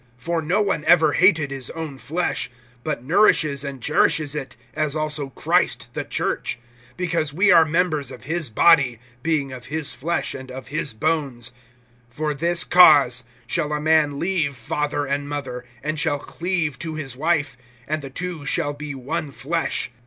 (29)For no one ever hated his own flesh; but nourishes and cherishes it, as also Christ the church; (30)because we are members of his body, [being] of his flesh, and of his bones. (31)For this cause shall a man leave father and mother, and shall cleave to his wife, and the two shall be one flesh.